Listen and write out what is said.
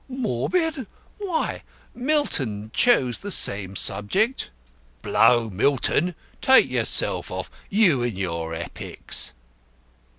"Morbid! Why, Milton chose the same subject!" "Blow Milton. Take yourself off you and your Epics."